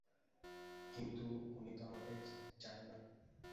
কিন্তু, উনি তো আমাকে চান না।